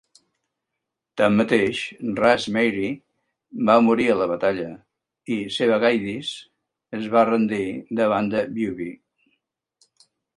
Tanmateix, "Ras" Marye va morir a la batalla, i Sebagadis es va rendir davant de Wube.